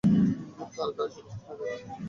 তাড়াতাড়ি, সবাই সামনে দেখো।